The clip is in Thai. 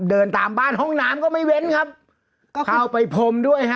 เดินตามบ้านห้องน้ำก็ไม่เว้นครับก็เข้าไปพรมด้วยฮะ